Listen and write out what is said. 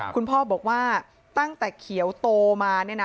คุณพ่อบอกว่าตั้งแต่เขียวโตมาเนี่ยนะ